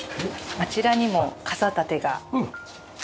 あちらにも傘立てが。